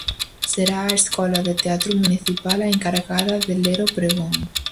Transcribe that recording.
Será a escola de teatro municipal a encargada de ler o pregón.